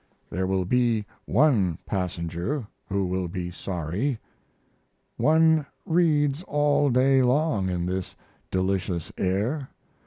There will be one passenger who will be sorry. One reads all day long in this delicious air.